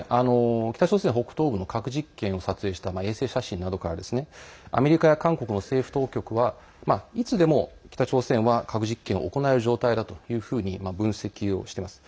北朝鮮北東部の核実験を撮影した衛星写真などからアメリカや韓国の政府当局はいつでも北朝鮮は核実験を行える状態だというふうに分析をしています。